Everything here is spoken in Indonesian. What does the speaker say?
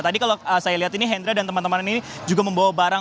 tadi kalau saya lihat ini hendra dan teman teman ini juga membawa barang